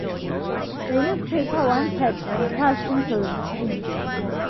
The newspaper once had ventures in television.